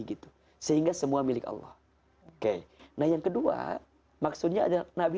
gitu sehingga semua milik allah oke nah yang kedua maksudnya adalah nabi